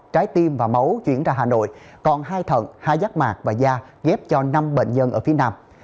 trái tim và máu chuyển ra hà nội còn hai thận hai giác mạc và da ghép cho năm bệnh nhân ở phía nam